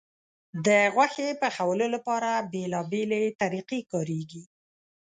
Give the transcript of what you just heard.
د غوښې پخولو لپاره بیلابیلې طریقې کارېږي.